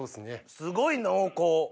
すごい濃厚！